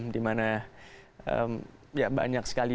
dimana ya banyak sekali